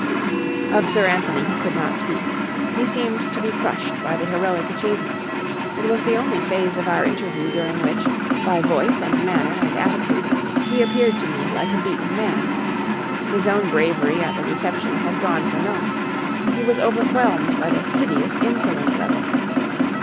Of Sir Anthony he could not speak. He seemed to be crushed by the heroic achievement. It was the only phase of our interview during which, by voice and manner and attitude, he appeared to me like a beaten man. His own bravery at the reception had gone for naught. He was overwhelmed by the hideous insolence of it.